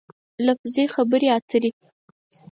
لفظي خبرې اترې